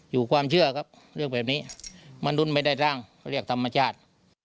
อยู่ความเชื่อครับเรื่องแบบนี้มนุษย์ไม่ได้ร่างเขาเรียกธรรมชาติ